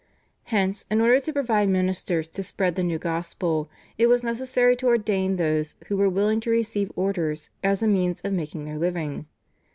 Hence, in order to provide ministers to spread the new gospel it was necessary to ordain those who were willing to receive orders as a means of making their living.